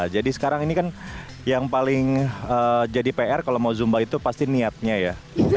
jadi sekarang ini kan yang paling jadi pr kalau mau zumba itu pasti niatnya ya